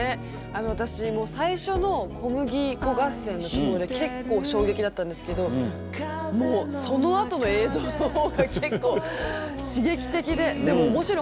私最初の小麦粉合戦のところで結構衝撃だったんですけどそのあとの映像のほうが結構刺激的ででも面白い。